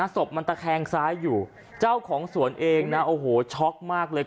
ศพมันตะแคงซ้ายอยู่เจ้าของสวนเองนะโอ้โหช็อกมากเลย